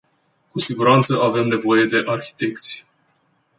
Cu siguranță avem nevoie de arhitecți.